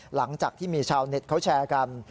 หลังจากที่มีชาวเน็ตเขาแชร์กัน